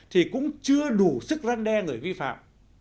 thì cũng chưa đủ sức răn đe người vi phạm